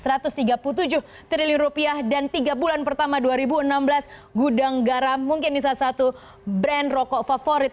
rp satu ratus tiga puluh tujuh triliun rupiah dan tiga bulan pertama dua ribu enam belas gudang garam mungkin ini salah satu brand rokok favorit